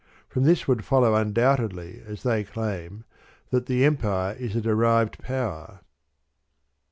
From this would follow undoubtedly, as they claim, that the Em pire is a derived power.